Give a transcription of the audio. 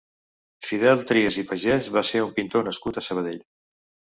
Fidel Trias i Pagès va ser un pintor nascut a Sabadell.